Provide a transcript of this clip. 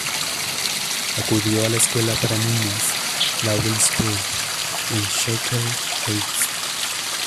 Acudió a la escuela para niñas Laurel School en Shaker Heights.